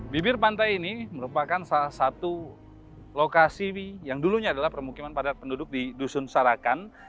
bibir pantai ini merupakan salah satu lokasi yang dulunya adalah permukiman padat penduduk di dusun sarakan